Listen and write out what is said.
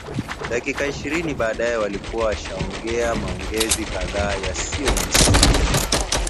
Dakika ishirini baadaye walikuwa wameshaongea maongezi kadhaa yasiyo na msingi